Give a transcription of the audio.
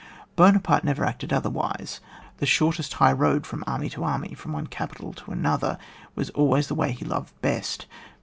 Buonaparte never acted otherwise. The shortest high road from army to army, from one capital to another, was always the way he loved best.